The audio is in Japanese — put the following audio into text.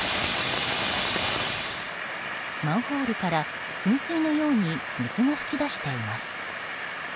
マンホールから噴水のように水が噴き出しています。